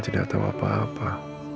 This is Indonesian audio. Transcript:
tidak tahu apa apa